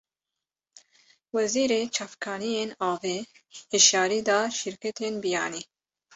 Wezîrê çavkaniyên avê, hişyarî da şîrketên biyanî